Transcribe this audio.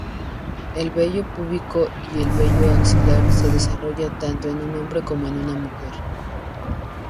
El vello púbico y el vello axilar se desarrolla tanto en hombres como mujeres.